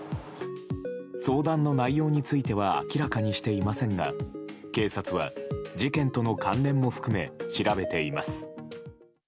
相談の内容については明らかにしていませんが警察は事件との関連を含め調べています。